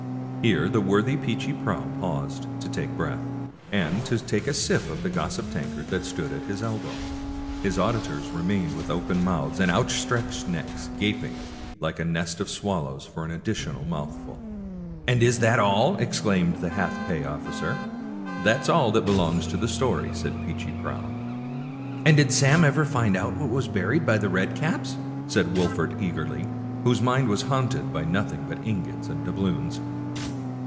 Here the worthy Peechy Prauw paused to take breath, and to take a sip of the gossip tankard that stood at his elbow. His auditors remained with open mouths and out 193 American Mystery Stories stretched necks, gaping like a nest of swallows for an addi tional mouthful. " And is that all ?" exclaimed the half pay officer. " That's all that belongs to the story," said Peechy Prauw. " And did Sam never find out what was buried by the red caps ?" said Wolfert eagerly, w^hose mind was haunted by nothing but ingots and doubloons.